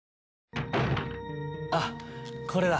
あっこれだ。